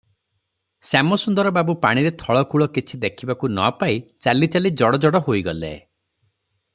ଶ୍ୟାମସୁନ୍ଦର ବାବୁ ପାଣିରେ ଥଳକୂଳ କିଛି ଦେଖିବାକୁ ନ ପାଇ ଚାଲିଚାଲି ଜଡ଼ଜଡ଼ ହୋଇଗଲେ ।